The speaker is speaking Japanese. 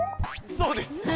そうです。